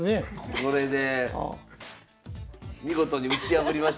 これで見事に打ち破りました。